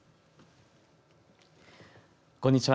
こんにちは。